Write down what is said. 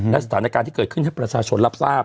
และสถานการณ์ที่เกิดขึ้นให้ประชาชนรับทราบ